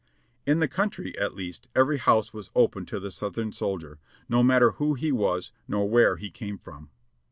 In the country, at least, every house was open to the Southern soldier, no matter who he was nor where he came from.